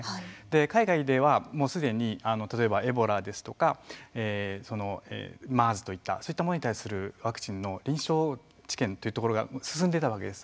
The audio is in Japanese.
海外ではもうすでに例えばエボラですとかＭＥＲＳといったそういったものに対するワクチンの臨床治験というところが進んでいたわけです。